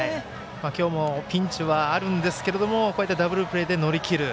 今日もピンチはあるんですけれどもダブルプレーで乗り切る。